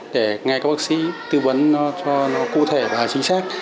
để nghe các bác sĩ tư vấn cho nó cụ thể và chính xác